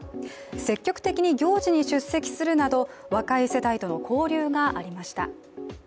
積極的に行事に出席するなど若い世代との交流がありました。